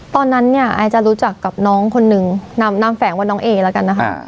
ตอนนั้นเนี่ยไอจะรู้จักกับน้องคนนึงนำแฝงว่าน้องเอแล้วกันนะคะ